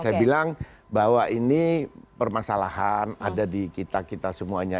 saya bilang bahwa ini permasalahan ada di kita kita semuanya